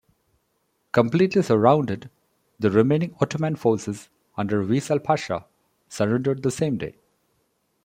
Completely surrounded, the remaining Ottoman forces under Veissel Pasha surrendered the same day.